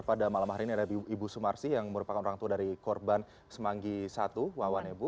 pada malam hari ini ada ibu sumarsi yang merupakan orang tua dari korban semanggi i wawan ibu